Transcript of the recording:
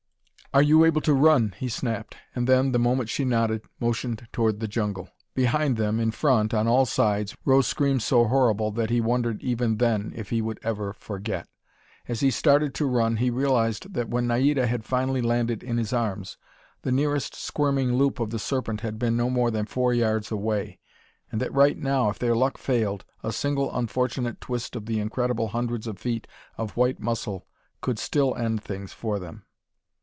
"Are you able to run?" he snapped, and then, the moment she nodded, motioned toward the jungle. Behind them, in front, on all sides, rose screams so horrible that he wondered even then if he would ever forget. As he started to run, he realized that when Naida had finally landed in his arms, the nearest squirming loop of the Serpent had been no more than four yards away, and that, right now, if their luck failed, a single unfortunate twist of the incredible hundreds of feet of white muscle could still end things for them.